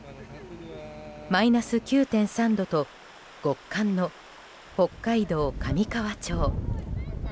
マイナス９．３度と極寒の北海道上川町。